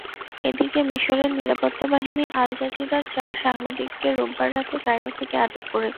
এদিকে মিসরের নিরাপত্তা বাহিনী আল-জাজিরার চার সাংবাদিককে রোববার রাতে কায়রো থেকে আটক করেছে।